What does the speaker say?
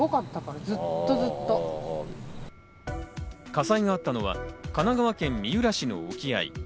火災があったのは神奈川県三浦市の沖合。